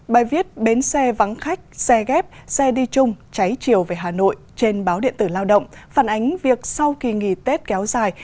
bài viết bến xe vắng khách xe ghép xe đi chung cháy chiều về hà nội trên báo điện tử lao động phản ánh việc sau kỳ nghỉ tết kéo dài